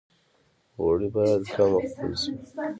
غوړي باید کم وخوړل شي